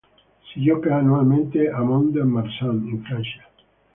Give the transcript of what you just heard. Si gioca annualmente a Mont-de-Marsan in Francia.